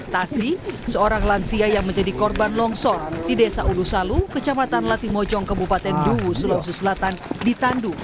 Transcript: tasi seorang lansia yang menjadi korban longsor di desa ulusalu kecamatan latimojong kebupaten duwu sulawesi selatan ditandu